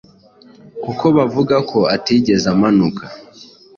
kuko bavuga ko atigeze amanuka